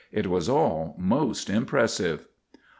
It was all most impressive.